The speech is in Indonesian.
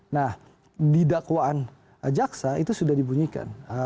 nah di dakwaan jaksa itu sudah dibunyikan